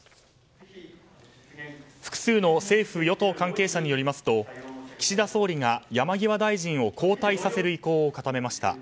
複数の政府・与党関係者によりますと岸田総理が山際大臣を交代させる意向を固めました。